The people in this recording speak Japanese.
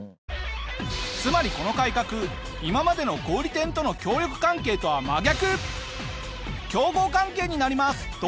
つまりこの改革今までの小売店との協力関係とは真逆。